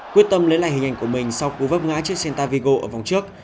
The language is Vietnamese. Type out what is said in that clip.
quyết tâm lấy lại hình ảnh của mình sau cú vấp ngã trước santa vigo ở vòng trước